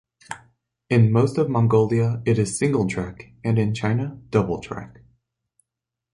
In most of Mongolia, it is single track, and in China double track.